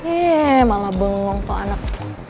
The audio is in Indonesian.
eeeh malah bengong kok anak